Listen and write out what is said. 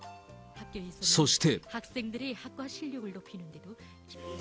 そして。